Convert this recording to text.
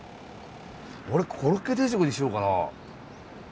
俺コロッケ定食にしようかな。